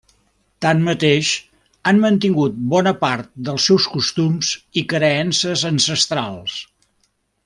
Tanmateix, han mantingut bona part dels seus costums i creences ancestrals.